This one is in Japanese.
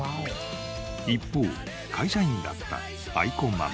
一方会社員だった愛子ママ。